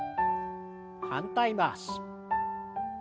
反対回し。